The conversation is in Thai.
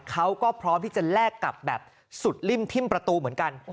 เขาก็พร้อมที่จะแลกกลับแบบสุดริ่มทิ้มประตูเหมือนกัน